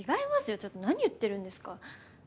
ちょっと何言ってるんですか！